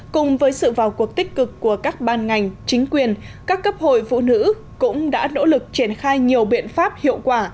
cùng với sự vào cuộc tích cực của các ban ngành chính quyền các cấp hội phụ nữ cũng đã nỗ lực triển khai nhiều biện pháp hiệu quả